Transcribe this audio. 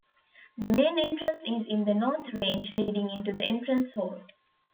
The main entrance is in the north range, leading into the Entrance Hall.